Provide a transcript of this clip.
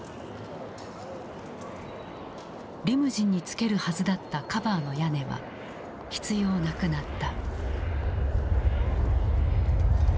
リムジンに付けるはずだったカバーの屋根は必要なくなった。